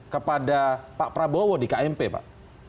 kepada pak prabowo di kmp pak